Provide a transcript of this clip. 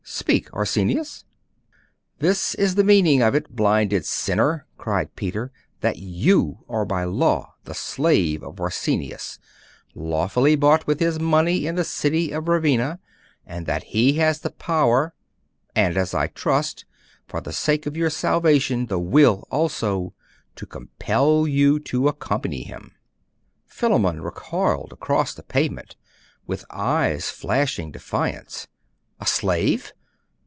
Speak, Arsenius!' 'This is the meaning of it, blinded sinner!' cried Peter. 'That you are by law the slave of Arsenius, lawfully bought with his money in the city of Ravenna; and that he has the power, and, as I trust, for the sake of your salvation, the will also, to compel you to accompany him.' Philammon recoiled across the pavement, with eyes flashing defiance. A slave!